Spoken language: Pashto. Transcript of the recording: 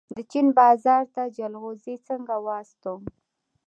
د چین بازار ته جلغوزي څنګه واستوم؟